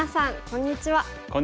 こんにちは。